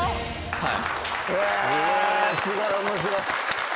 はい。